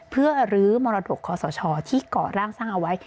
เพื่อรื้อมรดกคอสชที่ก่อร่างสร้างเอาไว้